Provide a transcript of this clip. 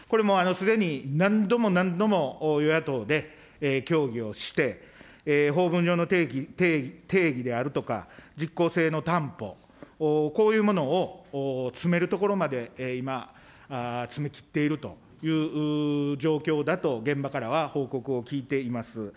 これもすでに何度も何度も与野党で協議をして、法文上の定義であるとか、実効性の担保、こういうものを詰めるところまで今、詰め切っているという状況だと、現場からは報告を聞いています。